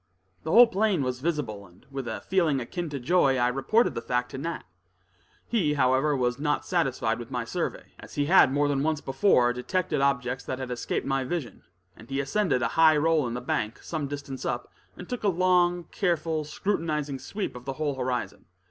The whole plain was visible, and with a feeling akin to joy, I reported the fact to Nat. He, however, was not satisfied with my survey, as he had more than once before detected objects that had escaped my vision, and he ascended a high roll in the bank, some distance up, and took a long, careful, scrutinizing sweep of the whole horizon.